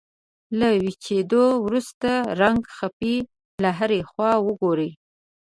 له وچېدو وروسته رنګه خپې له هرې خوا وګورئ.